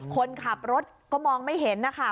คนขับรถก็มองไม่เห็นนะคะ